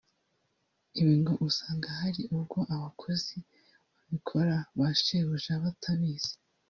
Ibi ngo usanga hari ubwo abakozi babikora ba shebuja batabizi